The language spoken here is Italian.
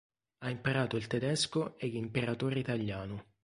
Ha imparato il tedesco e l'imperatore italiano.